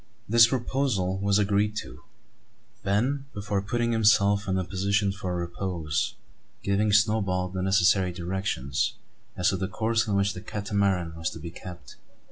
This proposal was agreed to; Ben, before putting himself in a position for repose, giving Snowball the necessary directions as to the course in which the Catamaran was to be kept.